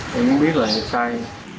thì em không biết là nhập sai